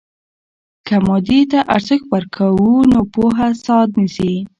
که مادیې ته ارزښت ورکوو، نو پوهه ساه نیسي.